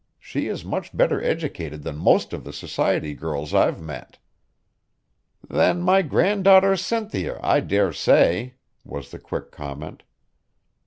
She is much better educated than most of the society girls I've met." "Than my granddaughter Cynthia, I dare say," was the quick comment.